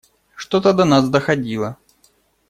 Что-то до нас доходило.